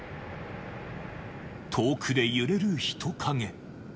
遠くで揺れる人影。